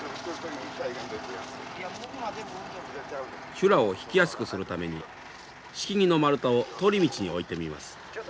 修羅を引きやすくするために敷木の丸太を通り道に置いてみます。